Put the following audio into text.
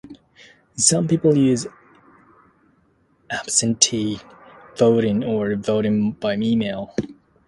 Some people use absentee voting or voting by mail.